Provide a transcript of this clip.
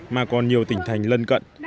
mà còn nhiều tỉnh thành lân cận